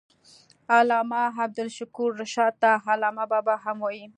علامه عبدالشکور رشاد ته علامه بابا هم وايي.